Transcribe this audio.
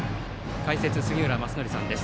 解説、杉浦正則さんです。